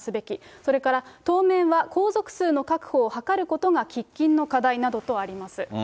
それから、当面は皇族数の確保を図ることが喫緊の課題などとあります。